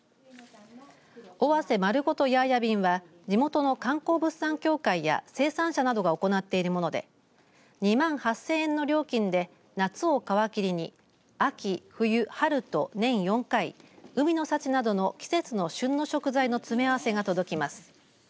尾鷲まるごとヤーヤ便は地元の観光物産協会や生産者などが行っているもので２万８０００円の料金で夏を皮切りに秋、冬、春と年４回海の幸などの季節の旬の食材の詰め合わせが届きます。